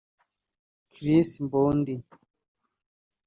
Chist Mbondi